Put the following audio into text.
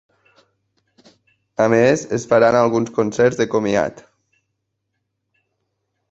A més, es faran alguns concerts de comiat.